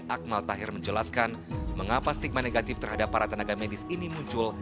akmal tahir menjelaskan mengapa stigma negatif terhadap para tenaga medis ini muncul